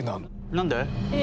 何で？